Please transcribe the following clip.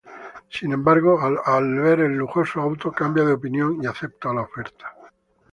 Sin embargo, al ver el lujoso auto, cambia de opinión y acepta la oferta.